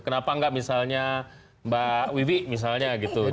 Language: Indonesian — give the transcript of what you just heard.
kenapa tidak misalnya mbak wiwi misalnya